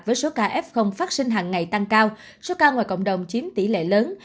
với số ca f phát sinh hàng ngày tăng cao số ca ngoài cộng đồng chiếm tỷ lệ lớn